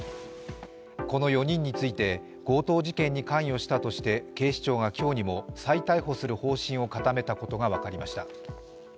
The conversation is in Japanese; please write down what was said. この４人について強盗事件に関与したとして警視庁が今日にも再逮捕する方針を固めたことが分かりました。